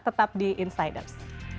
tetap di insiders